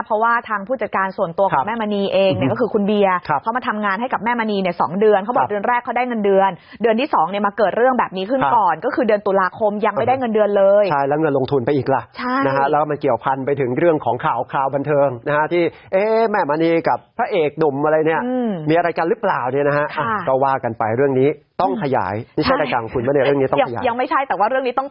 เพราะว่าทางผู้จัดการส่วนตัวของแม่มณีเองตอว